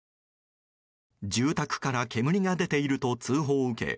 住宅から煙が出ていると通報を受け